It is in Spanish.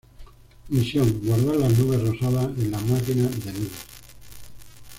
Misión: guardar las nubes rosadas en la máquina de nubes.